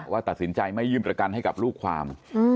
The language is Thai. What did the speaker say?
ว่าตัดสินใจไม่ยื่นประกันให้กับลูกความ